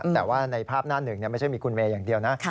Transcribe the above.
แต่ว่าในภาพหน้าหนึ่งไม่ใช่มีคุณเมย์อย่างเดียวนะ